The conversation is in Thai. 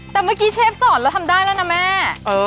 แต่เมื่อกี้เชฟสอนแล้วทำได้แล้วนะแม่